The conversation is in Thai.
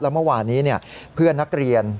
เมื่อวานี้เพื่อนนักเรียน